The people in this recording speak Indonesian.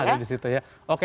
ada di situ ya